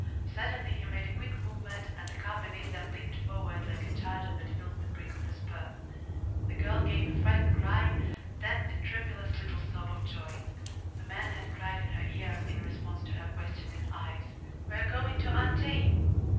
Suddenly he made a quick movement, and the car beneath them leaped forward like a charger that feels the prick of the spur. The girl gave a frightened cry, then a tremulous little sob of joy. The man had cried in her ear, in response to her questioning eyes: "We're going to Aunt Jane!"